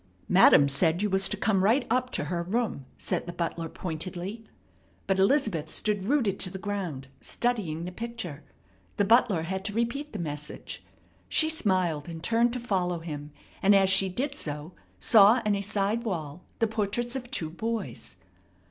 "Madam said you was to come right up to her room," said the butler pointedly. But Elizabeth stood rooted to the ground, studying the picture. The butler had to repeat the message. She smiled and turned to follow him, and as she did so saw on a side wall the portraits of two boys.